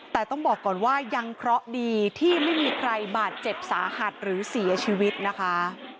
แต่ต้องบอกก่อนว่ายังเคราะห์ดีที่ไม่มีใครบาดเจ็บสาหัสหรือเสียชีวิตนะคะ